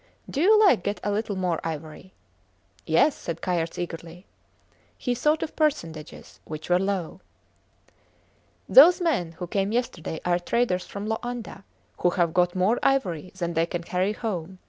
Do you like get a little more ivory? Yes, said Kayerts, eagerly. He thought of percentages which were low. Those men who came yesterday are traders from Loanda who have got more ivory than they can carry home.